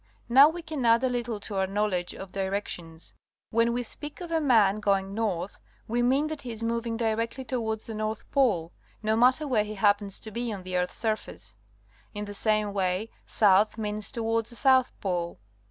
Now we can add a little to our knowledge of directions. When we speak of a man going north, we mean that he is moving directly toward the north pole, no matter where he happens to be on the earth's surface. In the same way, south means toward the south pole.